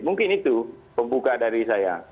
mungkin itu pembuka dari saya